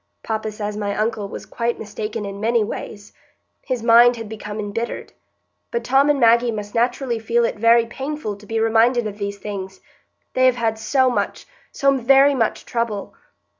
Papa says my uncle was quite mistaken in many ways; his mind had become embittered. But Tom and Maggie must naturally feel it very painful to be reminded of these things. They have had so much, so very much trouble.